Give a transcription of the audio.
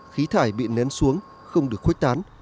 khí thải bị nén xuống không được khuếch tán